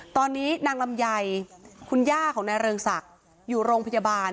ตอนนี้นางลำไยคุณย่าของนายเริงศักดิ์อยู่โรงพยาบาล